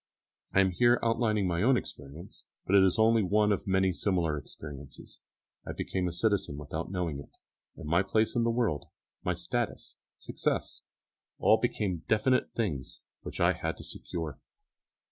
I am here outlining my own experience, but it is only one of many similar experiences. I became a citizen without knowing it, and my place in the world, my status, success, all became definite things which I had to secure.